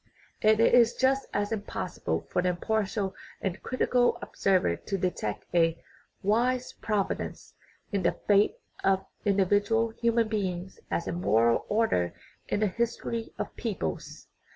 And it is just as impossible for the impartial and crit ical observer to detect a " wise providence " in the fate of individual human beings as a moral order in the his tory of peoples.